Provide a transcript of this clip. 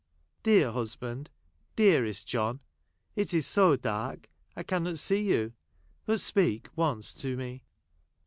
Dear husband — dearest John, it is so dark, I cannot see you ; but speak once to me."